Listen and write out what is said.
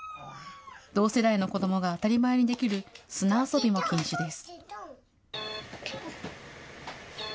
同世代の子どもが当たり前にできる砂遊びも禁止です。